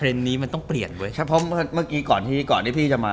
อันนี้ไม่ได้แชมป์ก็มีความสุข